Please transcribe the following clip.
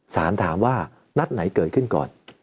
สารถามว่านัดไหนเกิดขึ้นก่อน